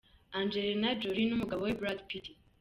Angelina Jolie n'umugabo we Brad Pitt.